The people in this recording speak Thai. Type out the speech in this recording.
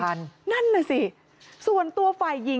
เจ้าของห้องเช่าโพสต์คลิปนี้